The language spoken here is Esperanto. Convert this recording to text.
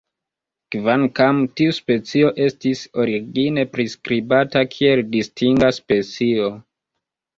Kvankam tiu specio estis origine priskribata kiel distinga specio.